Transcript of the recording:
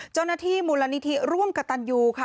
เจ้าหน้าที่มูลนิธิร่วมกับตันยูค่ะ